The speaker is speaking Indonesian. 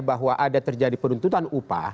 bahwa ada terjadi penuntutan upah